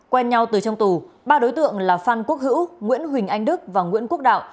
quen nhau từ trong tù ba đối tượng là phan quốc hữu nguyễn huỳnh anh đức và nguyễn quốc đạo